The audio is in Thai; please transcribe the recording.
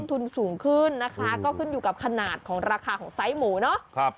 ทุนสูงขึ้นนะคะก็ขึ้นอยู่กับขนาดของราคาของไซส์หมูเนาะ